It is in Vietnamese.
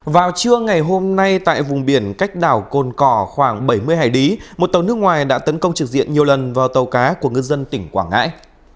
vào trưa ngày hôm nay tại vùng biển cách đảo cồn cỏ khoảng bảy mươi hải lý một tàu nước ngoài đã tấn công trực diện nhiều lần vào tàu cá của ngư dân tỉnh quảng ngãi